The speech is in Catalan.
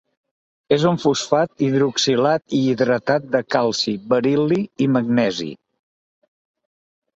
És un fosfat hidroxilat i hidratat de calci, beril·li i magnesi.